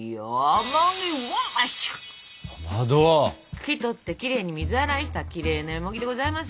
茎取ってきれいに水洗いしたきれいなよもぎでございますよ。